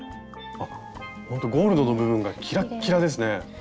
ほんとゴールドの部分がキラッキラですね。